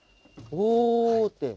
「お」って。